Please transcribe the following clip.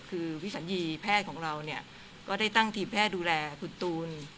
คือวิสัญญีแพทย์ของเราเนี่ยก็ได้ตั้งทีมแพทย์ดูแลคุณตูน